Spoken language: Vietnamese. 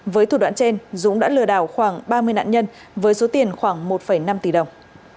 với thủ đoạn trên dũng đã lừa đảo khoảng ba mươi nạn nhân với số tiền khoảng một năm tỷ đồng